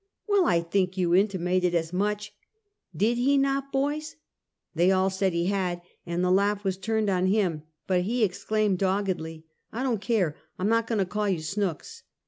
" Well, I think you intimated as much, did he not boys?" They all said he had, and the laugh was turned on him; but he exclaimed doggedly, " I don't care! I'm not goin' to call you Snooks!"